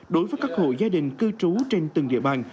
đối với các hộ gia đình cư trú trên từng địa bàn